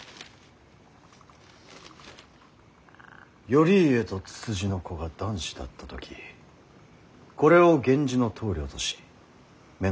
「頼家とつつじの子が男子だった時これを源氏の棟梁とし乳